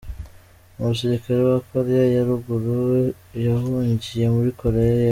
Umusirikare wa Korea ya ruguru yahungiye muri Korea y'epfo.